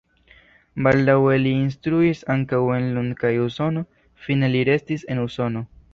Baldaŭe li instruis ankaŭ en Lund kaj Usono, fine li restis en Usono.